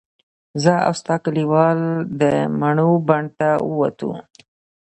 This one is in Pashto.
زه او استاد کلیوال د مڼو بڼ ته ووتو.